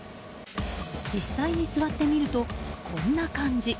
実際に座ってみるとこんな感じ。